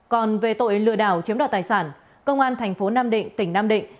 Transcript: còn về tội lừa đảo chiếm đoạt tài sản công an thành phố nam định tỉnh nam định